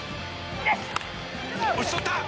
打ち取った！